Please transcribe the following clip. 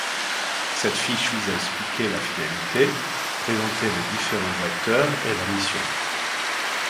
Cette fiche vise à expliquer la finalité, présenter les différents acteurs et leurs missions.